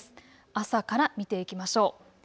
朝から見ていきましょう。